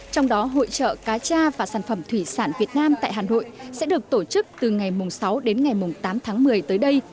trong đó hội trợ cá cha và sản phẩm thủy sản việt nam tại hà nội sẽ được tổ chức từ ngày sáu đến ngày tám tháng một mươi tới đây